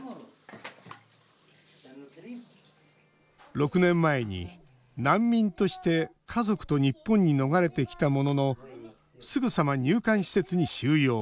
６年前に、難民として家族と日本に逃れてきたもののすぐさま入管施設に収容。